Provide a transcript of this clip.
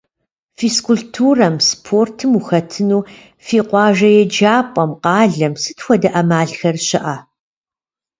Физкультурэм, спортым ухэтыну фи къуажэ еджапӀэм, къалэм сыт хуэдэ Ӏэмалхэр щыӀэ?